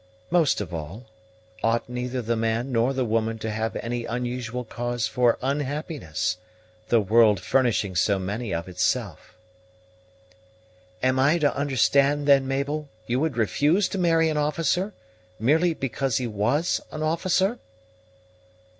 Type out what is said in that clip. Most of all, ought neither the man nor the woman to have any unusual cause for unhappiness, the world furnishing so many of itself." "Am I to understand, then, Mabel, you would refuse to marry an officer, merely because he was an officer?"